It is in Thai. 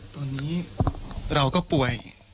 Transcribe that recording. ตอนนี้เราก็ป่วย